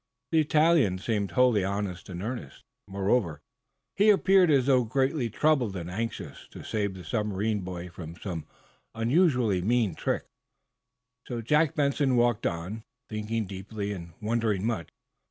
The Italian seemed wholly honest and earnest. Moreover, he appeared as though greatly troubled and anxious to save the submarine boy from some unusually mean trick. So Jack Benson walked on, thinking deeply and wondering much.